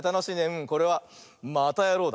うんこれは「またやろう！」